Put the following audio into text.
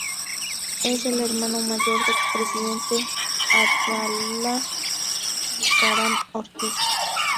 Es el hermano mayor del expresidente Abdalá Bucaram Ortiz.